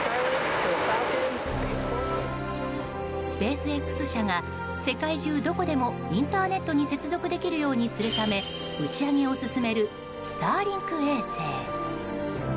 スペースＸ社が世界中どこでもインターネットに接続できるようにするため打ち上げを進めるスターリンク衛星。